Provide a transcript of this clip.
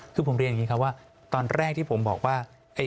คือผมเรียนอย่างนี้ครับว่าตอนแรกที่ผมบอกว่า